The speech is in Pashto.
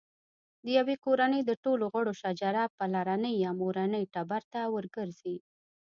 د یوې کورنۍ د ټولو غړو شجره پلرني یا مورني ټبر ته ورګرځي.